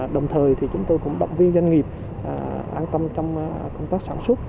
đồng thời thì chúng tôi cũng động viên doanh nghiệp an tâm trong công tác sản xuất